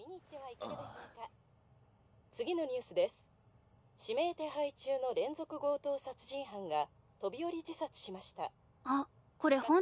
姉弟み指名手配中の連続強盗殺人犯が飛び降り自殺しましたあっ